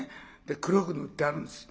で黒く塗ってあるんです。